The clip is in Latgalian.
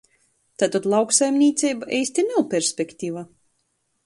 Taitod lauksaimnīceiba eisti nav perspektiva?